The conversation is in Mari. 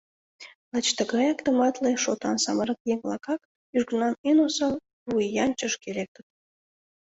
Лач тыгаяк тыматле, шотан самырык еҥ-влакак южгунам эн осал вуянчышке лектыт.